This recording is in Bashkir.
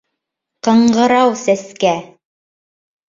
— Ҡыңғырау сәскә!